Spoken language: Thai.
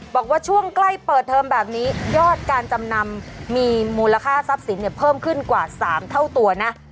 บอกว่าช่วงใกล้เปิดเทอมแบบนี้ยอดการจำนำมีมูลค่าทรัพย์สินเพิ่มขึ้นกว่า๓เท่าตัวนะ